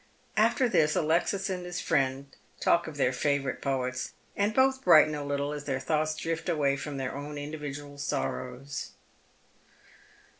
After this Alexis and his friend talk of their favourite poets, and both brighten a little aa tlieir thoughts drift away fi'om their own individual sorrows.